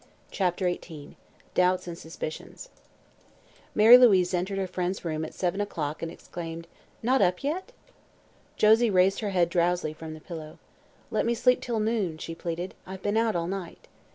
CHAPTER XVIII DOUBTS AND SUSPICIONS Mary Louise entered her friend's room at seven o'clock and exclaimed: "Not up yet?" Josie raised her head drowsily from the pillow. "Let me sleep till noon," she pleaded. "I've been out all night."